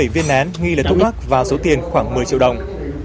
tám mươi bảy viên nén nghi lấy thuốc mắc và số tiền khoảng một mươi triệu đồng